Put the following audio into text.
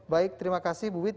baik terima kasih bu wit